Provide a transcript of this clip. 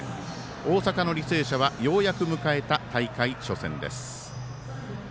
大阪の履正社は、ようやく迎えた大会初戦です。